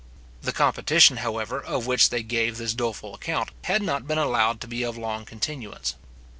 The competition, however, of which they gave this doleful account, had not been allowed to be of long continuance.